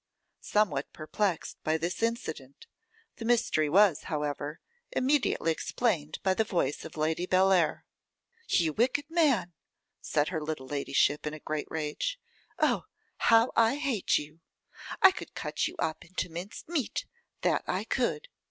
Somewhat perplexed by this incident, the mystery was, however, immediately explained by the voice of Lady Bellair. 'You wicked man,' said her little ladyship, in a great rage. 'Oh! how I hate you! I could cut you up into minced meat; that I could.